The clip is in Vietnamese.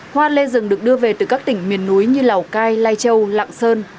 hoa lê rừng được đưa về từ các tỉnh miền núi như lào cai lai châu lạng sơn